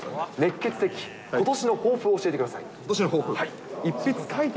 ケツ的ことしの抱負を教えてください。